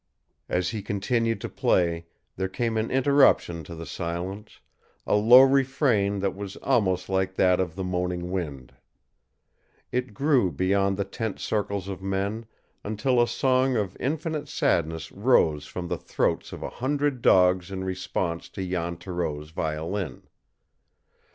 As he continued to play there came an interruption to the silence a low refrain that was almost like that of the moaning wind. It grew beyond the tense circle of men, until a song of infinite sadness rose from the throats of a hundred dogs in response to Jan Thoreau's violin.